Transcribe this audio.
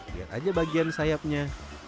lihat aja bagian sayapnya